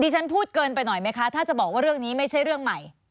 สนุนโดยน้ำดื่มสิง